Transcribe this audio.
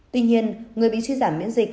tuy nhiên người bị suy giảm biễn dịch